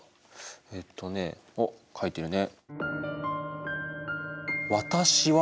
えっとねあっ書いてるね。